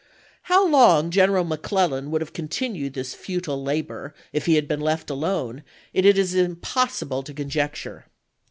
^ How long General McClellan would have con tinued this futile labor if he had been left alone, it is impossible to conjecture.